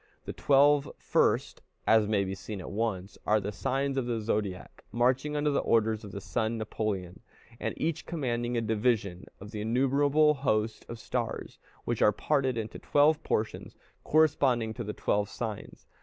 The twelve first, as may be seen at once, are the signs of the zodiac, marching under the orders of the sun Napoleon, and each commanding a division of the innumerable host of stars, which are parted into twelve portions, corresponding to the twelve signs.